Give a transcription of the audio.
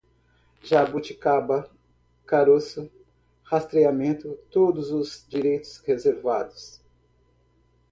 Jabuticaba, caroço, rastreamento, todos os direitos reservados